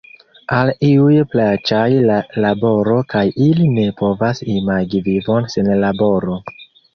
Al iuj plaĉas la laboro kaj ili ne povas imagi vivon sen laboro.